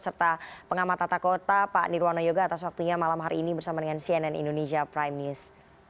serta pengamat tata kota pak nirwana yoga atas waktunya malam hari ini bersama dengan cnn indonesia prime news